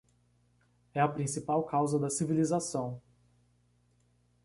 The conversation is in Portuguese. É a principal causa da civilização